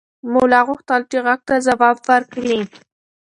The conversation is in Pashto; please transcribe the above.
ملا غوښتل چې غږ ته ځواب ورکړي.